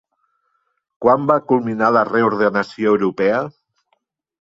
Quan va culminar la reordenació europea?